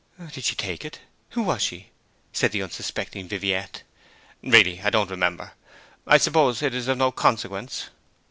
'Did she take it? Who was she?' said the unsuspecting Viviette. 'Really, I don't remember. I suppose it is of no consequence?'